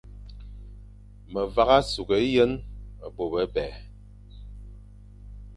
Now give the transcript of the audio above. Me vagha sughé yen bô bebè.